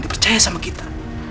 dia percaya sama kita